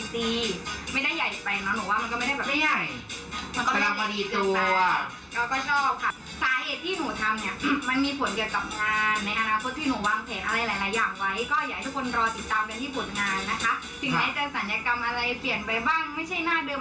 เปลี่ยนนาเปลี่ยนนมสัยกรรมไปแต่ถ้ามันไม่เปลี่ยนนิสัยอะไรแบบนี้